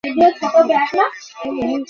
তিনি half back হিসেবে খেলতেন।